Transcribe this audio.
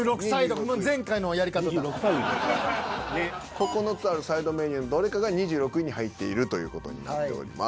９つあるサイドメニューのどれかが２６位に入っているという事になっております。